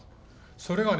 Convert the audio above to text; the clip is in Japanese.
それはね